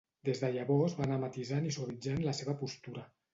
Des de llavors va anar matisant i suavitzant la seva postura.